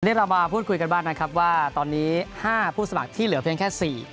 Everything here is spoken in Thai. นี่เรามาพูดคุยกันบ้างนะครับว่าตอนนี้๕ผู้สมัครที่เหลือเพียงแค่๔